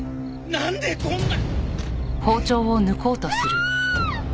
なんでこんな！